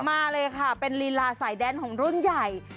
มาเลยค่ะเป็นลีลาสายแดนของรุ่นใหญ่